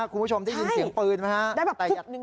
คุณผู้ชมได้ยินเสียงปืนไหมครับ